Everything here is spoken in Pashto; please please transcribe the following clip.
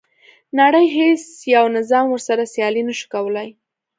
نړۍ هیڅ یو نظام ورسره سیالي نه شوه کولای.